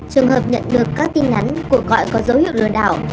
trường hợp nhận được các tin ngắn cụ gọi có dấu hiệu lừa đảo